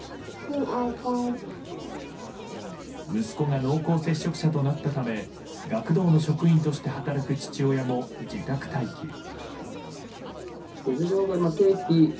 息子が濃厚接触者となったため学童の職員として働く父親も自宅待機。